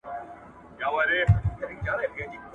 ذمي ته په اسلامي ټولنه کي پوره درناوی او امنیت ورکول کېږي.